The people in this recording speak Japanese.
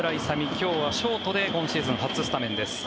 今日はショートで今シーズン初スタメンです。